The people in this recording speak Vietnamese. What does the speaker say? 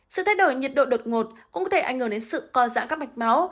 sự thay đổi nhiệt độ đột ngột cũng có thể ảnh hưởng đến sự co giãn các mạch máu